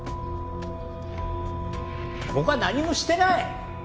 僕は何もしてない！